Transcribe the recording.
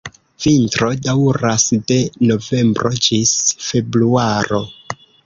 Vintro daŭras de novembro ĝis februaro.